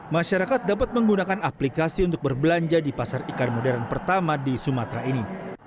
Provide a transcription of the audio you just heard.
masyarakat dapat menggunakan aplikasi untuk berbelanja di pasar ikan modern pertama di sumatera ini